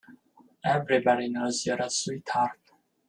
Everybody knows you're a sweetheart.